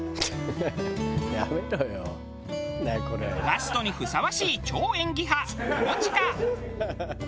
ラストにふさわしい超演技派。